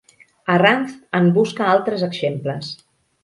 Arranz en busca altres exemples.